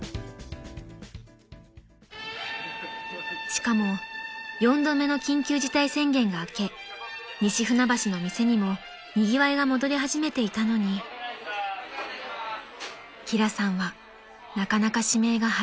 ［しかも４度目の緊急事態宣言が明け西船橋の店にもにぎわいが戻り始めていたのに輝さんはなかなか指名が入りません］